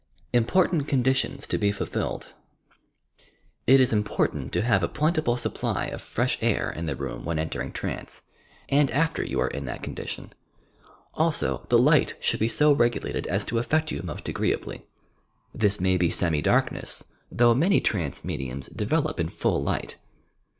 IMPORTANT CONDITIONS TO BE FOLTTLLED It is important to have a plentiful supply of fresh air in the room when entering trance, and after you are in that condition. Also the light should be so regulated as to affect you most agreeably. This may be semi darliuess, though many trance mediums develop in full light.